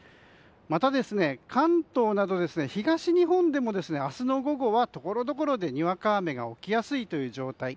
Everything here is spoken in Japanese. また、関東など東日本でも明日の午後はところどころでにわか雨が起きやすいという状態